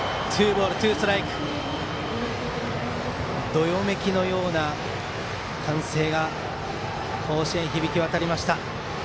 どよめきのような歓声が甲子園に響き渡りました。